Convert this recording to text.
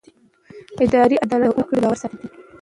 اداري عدالت د وګړو باور ساتي.